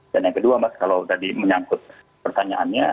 dan yang kedua mas kalau tadi menyangkut pertanyaannya